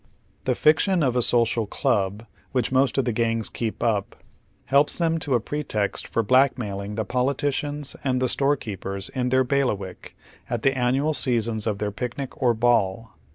The fiction of a social " club," which most of the gangs keep up, helps them to a pretext for blackmailing the poli ticians and the storekeepers in their bailiwick at the an nual seasons of their picnic, or ball.